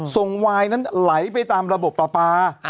ส่งวายนั้นไหลไปตามระบบปลา